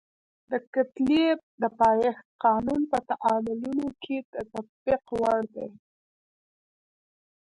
د کتلې د پایښت قانون په تعاملونو کې د تطبیق وړ دی.